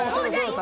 「さ」？